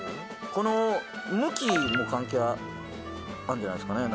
この向きも関係あるんじゃないですかね